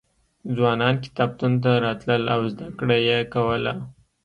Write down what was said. ځوانان کتابتون ته راتلل او زده کړه یې کوله.